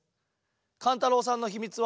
かんたろうさんのひみつは？